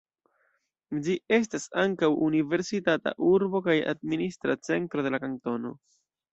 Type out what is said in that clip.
Ĝi estas ankaŭ universitata urbo kaj administra centro de la kantono.